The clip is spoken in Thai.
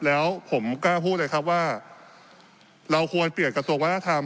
แล้วผมกล้าพูดเลยครับว่าเราควรเปลี่ยนกระทรวงวัฒนธรรม